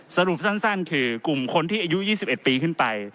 สรุปสั้นคือกลุ่มคนที่อายุ๒๑ปีขึ้นไป